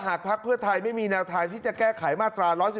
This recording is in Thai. พักเพื่อไทยไม่มีแนวทางที่จะแก้ไขมาตรา๑๑๒